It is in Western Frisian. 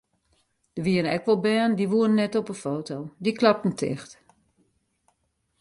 Der wienen ek wol bern dy woenen net op de foto, dy klapten ticht.